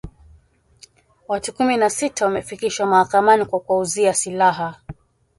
Watu kumi na sita wamefikishwa mahakamani kwa kuwauzia silaha